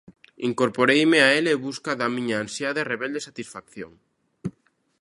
Incorporeime a el en busca da miña ansiada e rebelde satisfacción.